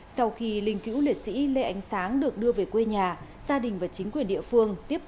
sau khi linh cữu liệt sĩ lê ánh sáng được đưa về quê nhà gia đình và chính quyền địa phương tiếp tục